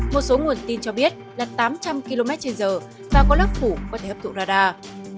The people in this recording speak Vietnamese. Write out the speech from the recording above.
một số nguồn tin cho biết là tám trăm linh km trên giờ và có lớp phủ có thể hấp thụ radar